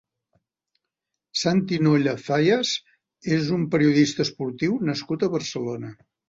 Santi Nolla Zayas és un periodista esportiu nascut a Barcelona.